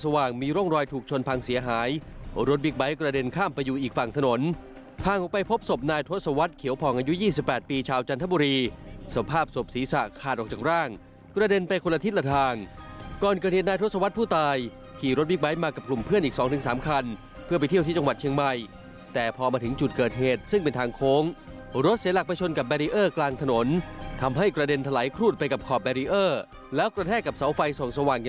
วัดเขียวผ่องอายุ๒๘ปีชาวจันทบุรีสภาพสวบศีรษะขาดออกจากร่างกระเด็นไปคนละทิศละทางก่อนกระเด็นนายทศวรรษผู้ตายขี่รถบิ๊กไบค์มากกับคลุมเพื่อนอีกสองถึงสามคันเพื่อไปเที่ยวที่จังหวัดเชียงใหม่แต่พอมาถึงจุดเกิดเหตุซึ่งเป็นทางโค้งรถเสียหลักไปชนกับแบรีเออร์กลางถนนทำให้กระเด็